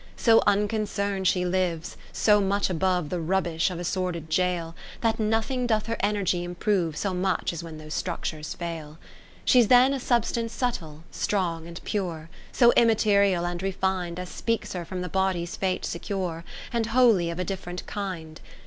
XII So unconcern'd she lives, so much above The rubbish of a sordid jail. That nothing doth her energy im prove So much as when those structures fail. XIII She's then a substance subtile, strong and pure. So immaterial and refin'd 50 As speaks her from the body's fate secure, And wholly of a diff rent kind.